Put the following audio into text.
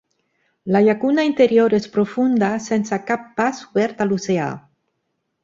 La llacuna interior és profunda sense cap pas obert a l'oceà.